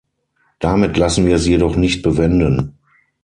Damit lassen wir es jedoch nicht bewenden.